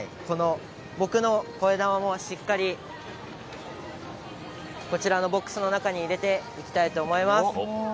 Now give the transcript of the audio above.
僕のこえだまもしっかりこちらのボックスの中に入れていきたいと思います。